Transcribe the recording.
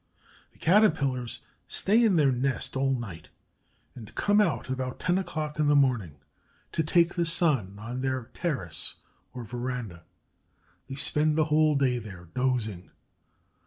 The Caterpillars stay in their nest all night, and come out about ten o'clock in the morning to take the sun on their terrace or veranda. They spend the whole day there, dozing.